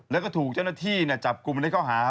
แล้วก็ถูกเจ้าหน้าที่จับกลุ่มได้เข้าหา